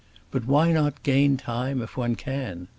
But why not gain time if one can?